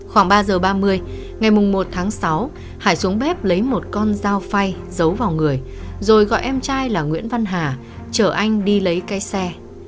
khoảng ba giờ ba mươi ngày một tháng sáu hải xuống bếp lấy một con dao phay giấu vào người rồi gọi em trai là nguyễn văn hà chở anh đi lấy cây xe